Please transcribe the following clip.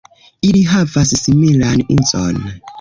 Ili havas similan uzon.